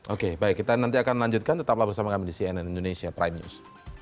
oke baik kita nanti akan lanjutkan tetaplah bersama kami di cnn indonesia prime news